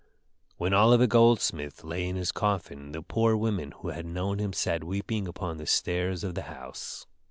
When Oliver Goldsmith lay in his coffin the poor women who had known him sat weeping upon the stairs of the house.